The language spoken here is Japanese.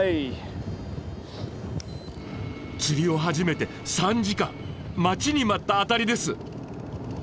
釣りを始めて３時間待ちに待ったアタリです。